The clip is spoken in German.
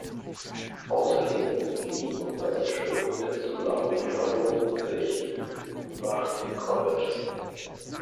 Außerdem sind Lee und Rachel wieder zusammen und verlobten sich nach dem College.